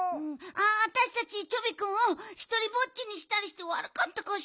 あたしたちチョビくんをひとりぼっちにしたりしてわるかったかしら。